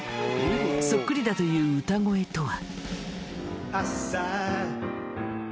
そっくりだという歌声とは？